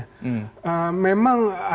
memang ada banyak hal yang harus diperhatikan